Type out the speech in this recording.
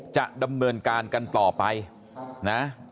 จะดำเนินการกันต่อไปนะ